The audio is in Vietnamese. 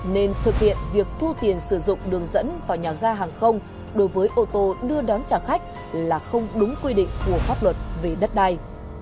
nên thực hiện việc thu tiền sử dụng đường dẫn vào nhà ga hàng không đối với ô tô đưa đón trả khách là không đúng quy định của pháp luật về đất đai